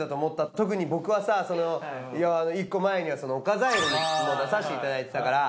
特に僕はさ一個前にはオカザイルも出させていただいてたから。